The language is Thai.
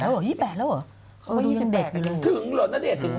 เขาดูยังเด็กอยู่หรอถึงเหรอณเดชน์ถึงหรือเปล่า